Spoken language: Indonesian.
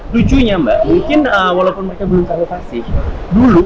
lucunya mbak mungkin walaupun mereka belum tahu kasih dulu